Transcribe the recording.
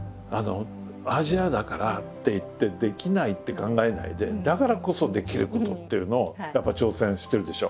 「アジアだから」っていってできないって考えないでだからこそできることっていうのをやっぱり挑戦してるでしょ。